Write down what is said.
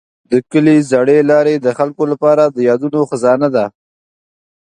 د کلي زړې لارې د خلکو لپاره د یادونو خزانه ده.